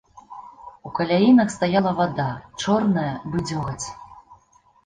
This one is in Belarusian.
У каляінах стаяла вада, чорная, бы дзёгаць.